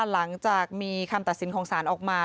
หลังจากมีคำตัดสินของสารออกมา